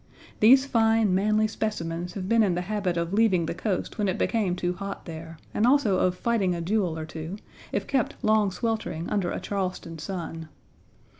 These fine, manly specimens have been in the habit of leaving the coast when it became too hot there, and also of fighting a duel or two, if kept long sweltering under a Charleston sun.